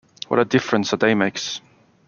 What a Diff'rence a Day Makes!